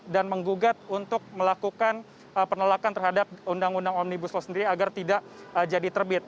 dan menggugat untuk melakukan penelakan terhadap undang undang omnibus law sendiri agar tidak jadi terbit